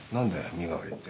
身代わりって。